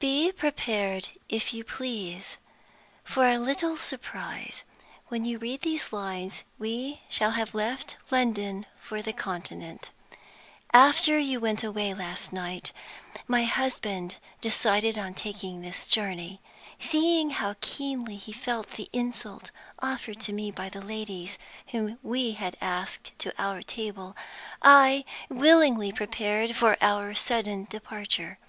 Be prepared, if you please, for a little surprise. When you read these lines we shall have left London for the Continent. "After you went away last night, my husband decided on taking this journey. Seeing how keenly he felt the insult offered to me by the ladies whom we had asked to our table, I willingly prepared for our sudden departure.